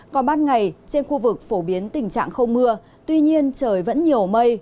còn ban ngày trên khu vực phổ biến tình trạng không mưa tuy nhiên trời vẫn nhiều mây